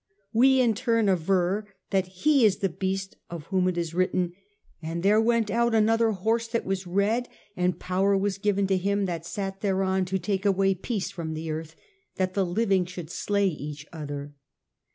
We in turn aver that he is the beast of whom it is written, ' And there went out another horse that was red, and power was given to him that sat thereon to take away peace from the earth, that the living should slay each other.'